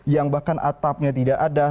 yang bahkan atapnya tidak ada